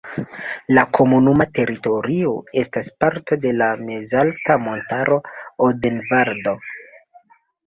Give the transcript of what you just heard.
La komunuma teritorio estas parto de la mezalta montaro Odenvaldo.